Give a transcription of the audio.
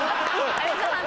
有吉さん